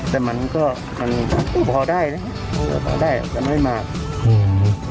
แต่มันก็พอได้นะครับพอได้จะไม่มาก